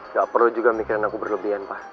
gak perlu juga mikirin aku berlebihan pak